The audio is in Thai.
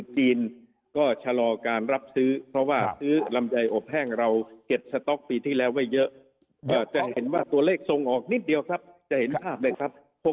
แต่ว่าปีที่แล้วไว้เยอะจะเห็นว่าตัวเลขทรงออกนิดเดียวครับจะเห็นภาพเลยครับ